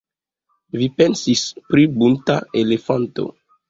Vi pensis pri bunta elefanto!